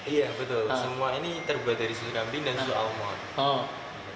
iya betul semua ini terbuat dari susu kambing dan susu almon